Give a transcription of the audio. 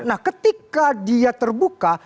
nah ketika dia terbuka